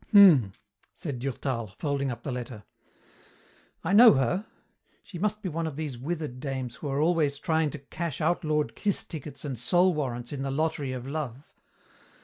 "Hmm!" said Durtal, folding up the letter. "I know her. She must be one of these withered dames who are always trying to cash outlawed kiss tickets and soul warrants in the lottery of love.